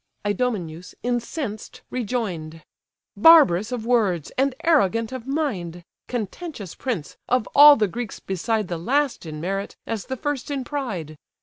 Idomeneus, incensed, rejoin'd: "Barbarous of words! and arrogant of mind! Contentious prince, of all the Greeks beside The last in merit, as the first in pride!